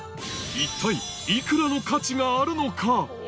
一体いくらの価値があるのか。